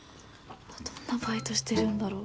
どんなバイトしてるんだろう